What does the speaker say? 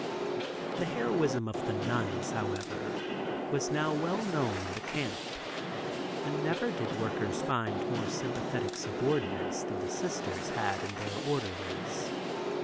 The heroism of the nuns, however, was now well known in camp, and never did workers find more sympathetic subordinates than the Sisters had in their orderlies.